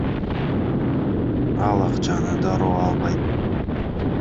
Ал акчаны дароо албайт.